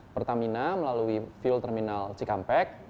pertamina melalui fuel terminal cikampek